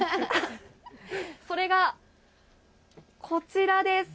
それがこちらです。